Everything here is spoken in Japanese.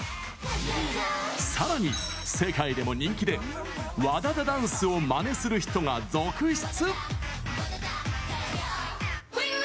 さらに世界でも人気でＷＡＤＡＤＡダンスをまねする人が続出。